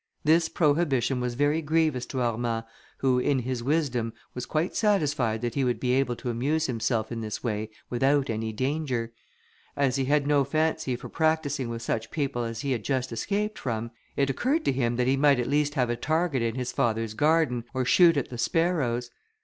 This prohibition was very grievous to Armand, who, in his wisdom, was quite satisfied that he would be able to amuse himself in this way without any danger. As he had no fancy for practising with such people as he had just escaped from, it occurred to him that he might at least have a target in his father's garden, or shoot at the sparrows.